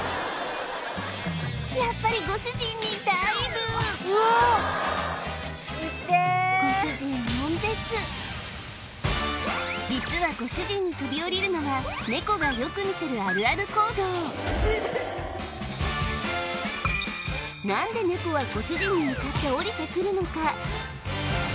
やっぱりご主人にダイブご主人実はご主人に跳びおりるのはネコがよく見せるあるある行動何でネコはご主人に向かっておりてくるのか？